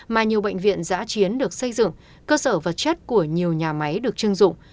mà nhiều bệnh viện giã chiến được xây dựng cơ sở vật chất của nhiều nhà máy được chưng dụng